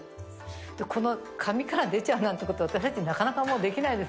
この紙から出ちゃうなんてこと、私たち、なかなかもう、できないです。